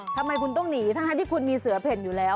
ทำไมคุณต้องหนีทั้งที่คุณมีเสือเพ่นอยู่แล้ว